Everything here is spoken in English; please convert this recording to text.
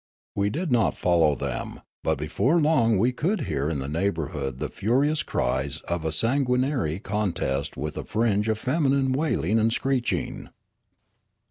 We did not follow them; but before long we could hear m the neighbourhood the furious cries of a sanguin ary contest with a fringe of feminine wailing" and screeching.